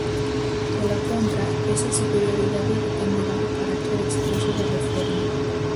Pola contra, esa superioridade dependerá do carácter expreso da reforma.